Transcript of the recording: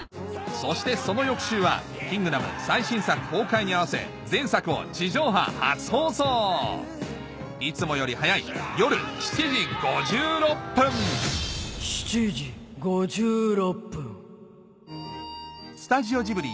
そしてその翌週は『キングダム』最新作公開に合わせ前作を地上波初放送いつもより早い夜７時５６分スタジオジブリ